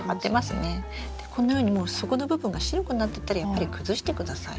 このようにもう底の部分が白くなってたらやっぱり崩してください。